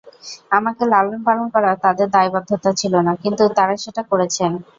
আমাকে লালনপালন করা তাঁদের দায়বদ্ধতা ছিল না, কিন্তু তাঁরা সেটা করেছেন।